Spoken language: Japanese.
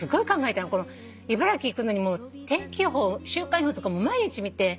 茨城行くのに天気予報週間予報とかも毎日見て。